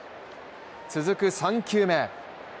続く３球目。